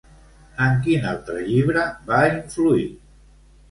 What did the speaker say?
En quin altre llibre va influir?